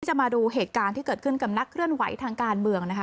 จะมาดูเหตุการณ์ที่เกิดขึ้นกับนักเคลื่อนไหวทางการเมืองนะคะ